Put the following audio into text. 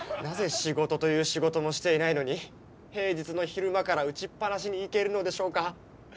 なぜ仕事という仕事もしていないのに平日の昼間から打ちっぱなしに行けるのでしょうか？